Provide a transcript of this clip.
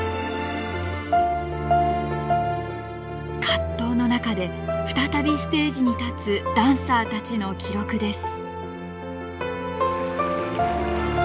葛藤の中で再びステージに立つダンサーたちの記録です。